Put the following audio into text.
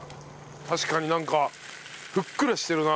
確かになんかふっくらしてるな。